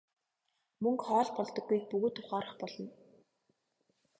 Мөнгө хоол болдоггүйг бүгд ухаарах болно.